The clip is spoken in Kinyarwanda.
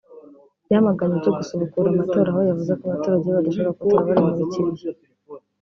yamaganye ibyo gusubukura amatora aho yavuze ko abaturage be badashobora gutora bari mu kiriyo